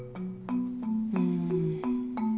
うん。